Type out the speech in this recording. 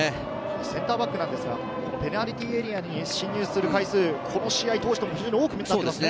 センターバックですが、ペナルティーエリアに進入する回数、非常に多くなっていますね。